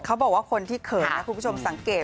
เขาบอกว่าคนที่เขินนะคุณผู้ชมสังเกต